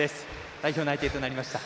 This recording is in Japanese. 代表内定となりました